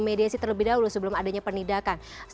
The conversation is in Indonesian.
mediasi terlebih dahulu sebelum adanya penindakan